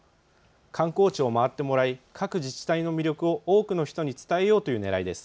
観光地などを回ってもらい各自治体の魅力を多くの人に伝えようというねらいです。